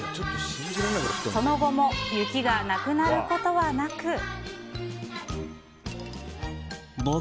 その後も雪がなくなることはなく。